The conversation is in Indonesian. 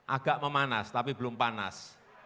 agak memanas tapi belum panas